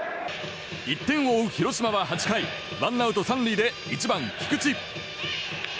１点を追う広島は８回１アウト３塁で１番、菊池。